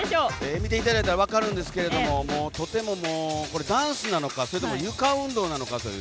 見ていただいたら分かりますが、これダンスなのかそれとも床運動なのかという。